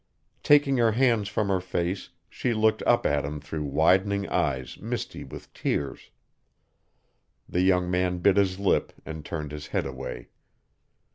Taking her hands from her face she looked up at him through widening eyes misty with tears. The young man bit his lip and turned his head away.